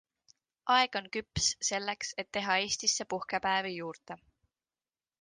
Aeg on küps selleks, et teha Eestisse puhkepäevi juurde.